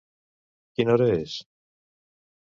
Quina hora és?